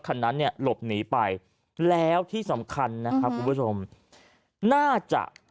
คันนั้นเนี่ยหลบหนีไปแล้วที่สำคัญนะครับคุณผู้ชมน่าจะ